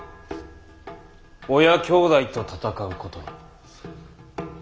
親兄弟と戦うことに。